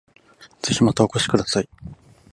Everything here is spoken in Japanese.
ぜひまたお越しください